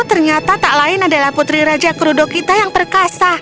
ternyata tak lain adalah putri raja krudo kita yang perkasa